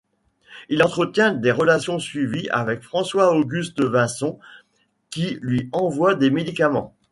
Il entretient des relations suivies avec François-Auguste Vinson qui lui envoie des médicaments.